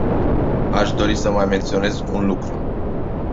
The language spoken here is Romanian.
Aș dori să mai menționez un lucru.